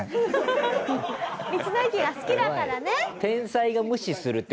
道の駅が好きだからね。